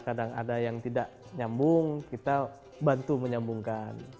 kadang ada yang tidak nyambung kita bantu menyambungkan